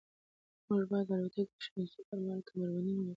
موږ باید د الوتکې د کښېناستو پر مهال کمربندونه وتړو.